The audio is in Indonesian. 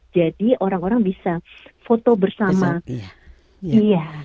jadi orang orang bisa foto bersama